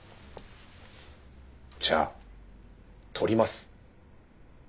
じゃあ撮ります。